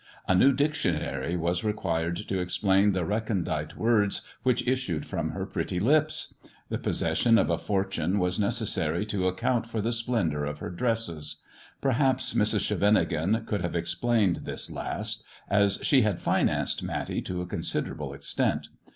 A new dictionary was required to explain the recondite words which issued from her pretty lips. The possession of a fortune was necessary to account for the splendour of her dresses. Perhaps Mrs. Scheveningen could have explained this last, as she had financed Matty to a considerable extent.